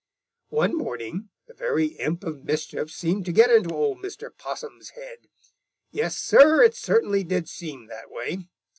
"One morning the very imp of mischief seemed to get into old Mr. Possum's head. Yes, Sir, it certainly did seem that way.